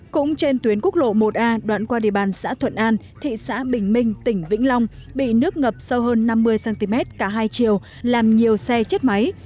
cũng trên tuyến quốc lộ một a đoạn qua địa bàn xã thuận an thị xã bình minh tỉnh vĩnh long bị nước ngập sâu hơn năm mươi cm cả hai chiều làm nhiều xe chết máy